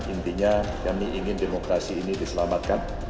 intinya kami ingin demokrasi ini diselamatkan